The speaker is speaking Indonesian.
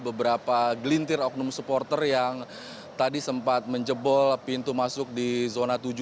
beberapa gelintir oknum supporter yang tadi sempat menjebol pintu masuk di zona tujuh